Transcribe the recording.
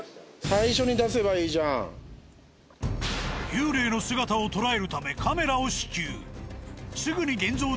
幽霊の姿を捉えるためカメラを支給。